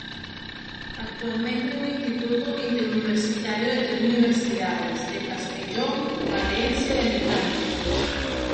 Actualmente es un instituto interuniversitario de tres universidades de Castellón, Valencia y Alicante.